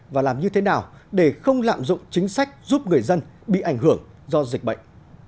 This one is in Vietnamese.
và làm như thế nào để không lạm dụng chính sách giúp người dân bị ảnh hưởng do dịch bệnh